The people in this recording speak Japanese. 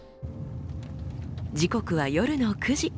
時刻は夜の９時。